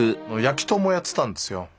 焼き豚もやってたんですよ。